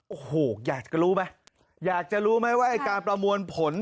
โอ้โหอยากจะรู้ไหมอยากจะรู้ไหมว่าไอ้การประมวลผล